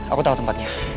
aku tau tempatnya